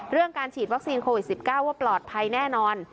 เรื่องการฉีดวัคซีนโควิด๑๙ว่าปลอดภัยแน่นอน